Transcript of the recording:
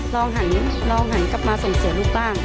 ลองหันกลับมาส่งเสียลูกบ้าง